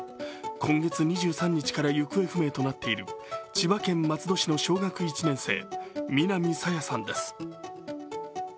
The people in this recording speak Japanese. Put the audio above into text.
今月２３日から行方不明となっている千葉県松戸市の小学１年生南朝芽さんです。